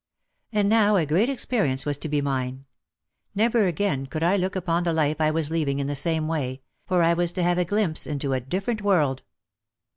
And now a great experience was to be mine. Never again could I look upon the life I was leaving in the same way, for I was to have a glimpse into a different world.